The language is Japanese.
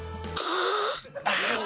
ああ。